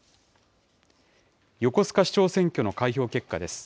横須賀市長選挙の開票結果です。